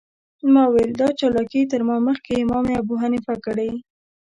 ما ویل دا چالاکي تر ما مخکې امام ابوحنیفه کړې.